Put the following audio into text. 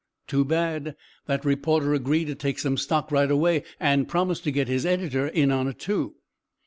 Too bad! That reporter agreed to take some stock right away, and promised to get his editor in on it, too."